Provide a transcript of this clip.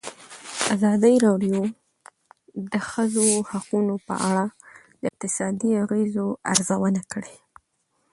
ازادي راډیو د د ښځو حقونه په اړه د اقتصادي اغېزو ارزونه کړې.